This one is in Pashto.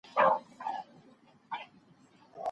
بې له دعاګانو د مرکې پايلي ښې نه وي.